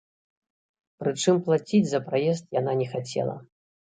Прычым плаціць за праезд яна не хацела.